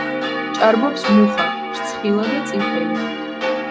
ჭარბობს მუხა, რცხილა და წიფელი.